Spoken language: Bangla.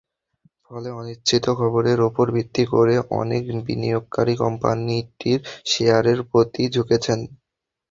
ফলে অনিশ্চিত খবরের ওপর ভিত্তি করে অনেক বিনিয়োগকারী কোম্পানিটির শেয়ারের প্রতি ঝুঁকছেন।